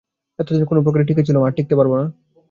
এতদিন কোনোপ্রকারে টিঁকে ছিলুম, আর টিঁকতে পারব না।